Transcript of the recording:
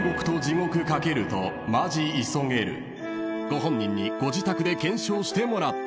［ご本人にご自宅で検証してもらった］